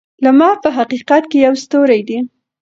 لمر په حقیقت کې یو ستوری دی.